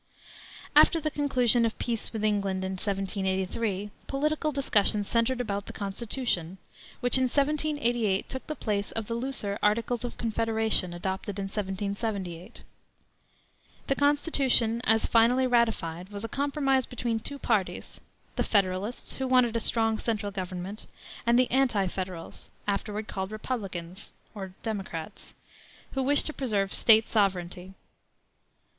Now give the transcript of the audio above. After the conclusion of peace with England, in 1783, political discussion centered about the Constitution, which in 1788 took the place of the looser Articles of Confederation adopted in 1778. The Constitution as finally ratified was a compromise between two parties the Federalists, who wanted a strong central government, and the Anti Federals (afterward called Republicans, or Democrats), who wished to preserve State sovereignty.